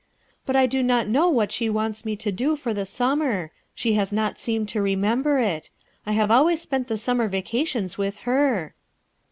But I do not know what she wants me to do for the summer. She has not seemed to remember it. I have always spent the summer vacations with her."